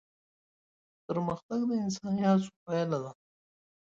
پرمختګ د انساني هڅو پايله ده.